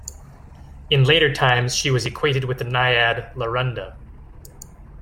In later times, she was equated with the naiad Larunda.